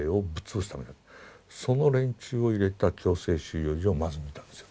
その連中を入れた強制収容所をまず見たんですよ。